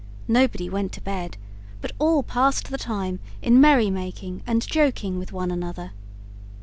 Nobody went to bed, but all passed the time in merry making and joking with one another.